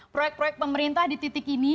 proyek proyek pemerintah di titik ini